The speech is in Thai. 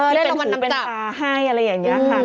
เป็นหูเป็นตาให้อะไรอย่างนี้ค่ะ